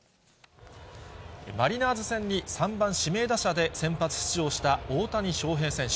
マリナーズ戦に３番指名打者で先発出場した大谷翔平選手。